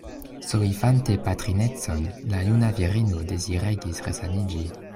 Soifante patrinecon, la juna virino deziregis resaniĝi.